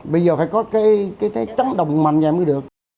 bây giờ phải có cái trắng đồng mạnh về mới được